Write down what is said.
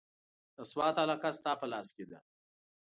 د سوات علاقه ستا په لاس کې ده.